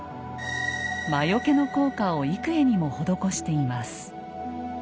魔よけの効果を幾重にも施しています。